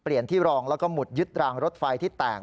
ที่รองแล้วก็หมุดยึดรางรถไฟที่แตก